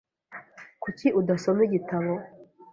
Kuki udasoma igitabo?